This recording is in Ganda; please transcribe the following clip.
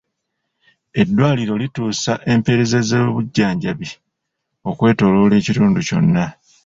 Eddwaaliro lituusa empeereza z'ebyobujjanjabi okwetooloola ekitundu kyonna.